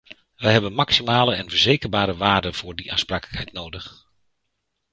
Wij hebben maximale en verzekerbare waarden voor die aansprakelijkheid nodig.